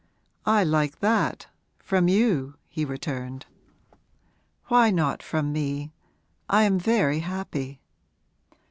'I like that from you!' he returned. 'Why not from me? I am very happy.'